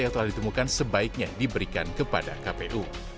yang telah ditemukan sebaiknya diberikan kepada kpu